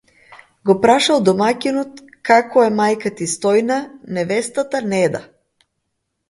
го прашал домаќинот, како е мајка ти Стојна, невестата Неда?